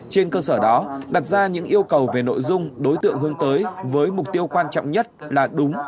trên cơ sở đó đặt ra những yêu cầu về nội dung đối tượng hướng tới với mục tiêu quan trọng nhất là đúng